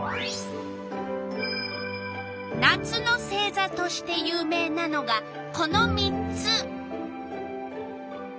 夏の星座として有名なのがこの３つ。